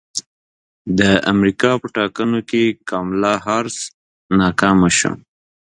د امریکا په ټاکنو کې کاملا حارس ناکامه شوه